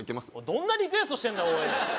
どんなリクエストしてんだおい